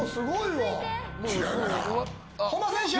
本間選手